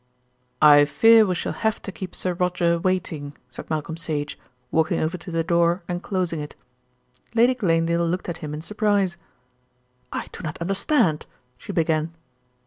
"I fear we shall have to keep Sir Roger waiting," said Malcolm Sage, walking over to the door and closing it. Lady Glanedale looked at him in surprise. "I do not understand," she began.